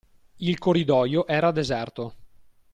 Il corridoio era deserto.